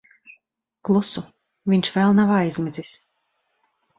Klusu. Viņš vēl nav aizmidzis.